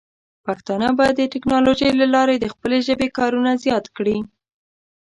پښتانه به د ټیکنالوجۍ له لارې د خپلې ژبې کارونه زیات کړي.